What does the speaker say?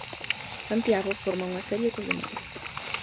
Santiago forma unha serie cos demais.